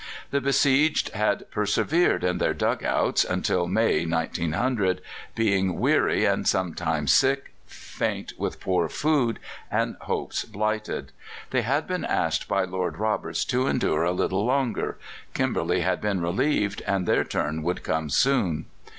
The besieged had persevered in their "dug outs" until May, 1900, being weary and sometimes sick, faint with poor food, and hopes blighted. They had been asked by Lord Roberts to endure a little longer; Kimberley had been relieved, and their turn would come soon.